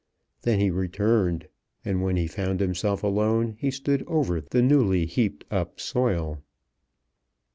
Then he returned, and when he found himself alone he stood over the newly heaped up soil.